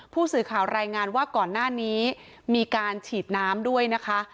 ผู้สื่อข่าวรายงานว่าก่อนหน้านี้มีการฉีดน้ำด้วยนะคะ